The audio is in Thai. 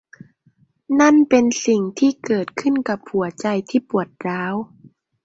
นั่นเป็นสิ่งที่เกิดขึ้นกับหัวใจที่ปวดร้าว